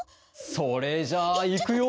それじゃあいくよ！